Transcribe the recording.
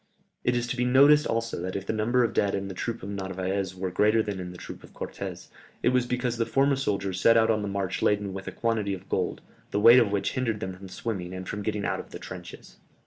It is to be noticed also that if the number of dead in the troop of Narvaez were greater than in the troop of Cortès, it was because the former soldiers set out on the march laden with a quantity of gold, the weight of which hindered them from swimming, and from getting out of the trenches."